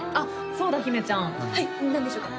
そうだ姫ちゃんはい何でしょうか？